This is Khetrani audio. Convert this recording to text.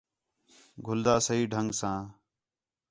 گھلدا صحیح ڈھنگ ساں